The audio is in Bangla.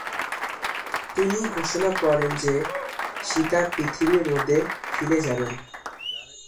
তিনি ঘোষণা করেন যে, সীতা পৃথিবীর মধ্যে ফিরে যাবেন।